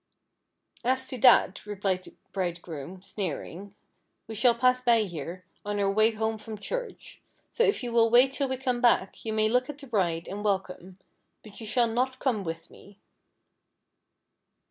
" "As to that," replied the Bridegroom, sneering, "we shall pass by here on our way home from church, so if you will wait till we come back, you may look at the bride, and welcome ; but you shall not come with me."